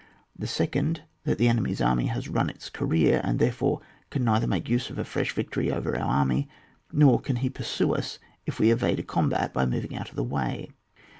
The second, that the enemy's army has run its career, and therefore can neither make use of a fresh victory over our army, nor can ho pursue us if we evade a com bat by moving out of the way.